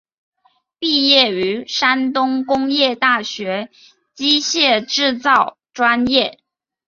毕业于山东工业大学机械制造专业。